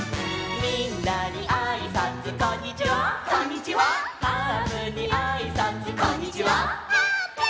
「みんなであいさつこんにちは」